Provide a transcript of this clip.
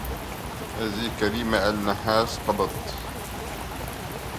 هذه كريمة آل نحاس قضت